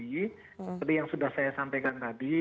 seperti yang sudah saya sampaikan tadi